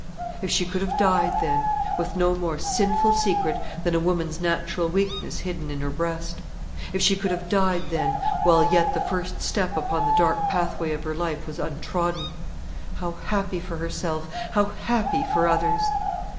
If she could have died then, with no more sinful secret than a woman's natural weakness hidden in her breast; if she could have died then, while yet the first step upon the dark pathway of her life was untrodden, how happy for herself, how happy for others!